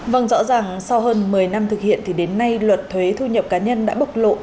vâng rõ ràng sau hơn một mươi năm thực hiện thì đến nay luật thuế thu nhập cá nhân đã bộc lộ